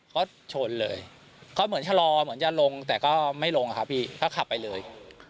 ก็โทรนเลยเค้าเหมือนชะลอเหมือนจะลงแต่ก็ไม่ลงค่ะพี่ก็ขับไปเลย